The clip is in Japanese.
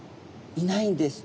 いないんです。